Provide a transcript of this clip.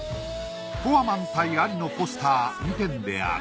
フォアマン対アリのポスター２点である。